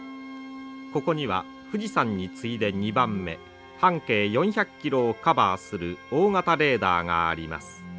ここには富士山に次いで２番目半径４００キロをカバーする大型レーダーがあります。